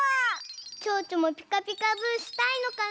ちょうちょもピカピカブしたいのかな？